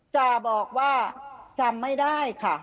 จะบอกว่าจำไม่ได้ค่ะ